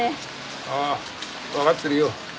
ああ分かってるよ。